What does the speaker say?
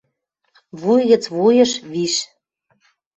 Вуй гӹц вуйыш виш —